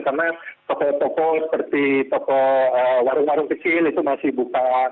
karena toko toko seperti toko warung warung kecil itu masih buka